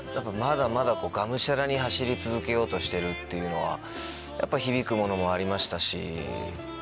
まだまだがむしゃらに走り続けようとしてるっていうのはやっぱ響くものもありましたし。